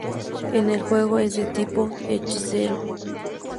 En el juego, es de tipo Hechicero.